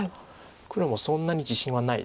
黒もそんなに自信はないです。